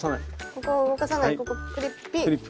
ここを動かさないここクリップピッ。